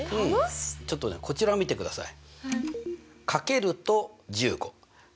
ちょっとねこちらを見てください。